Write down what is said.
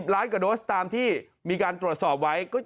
ล้านกว่าโดสตามที่มีการตรวจสอบไว้